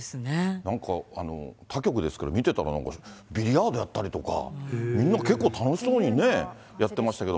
なんか他局ですけど、見てたら、なんかビリヤードやったりとか、みんな結構、楽しそうにね、やってましたけど。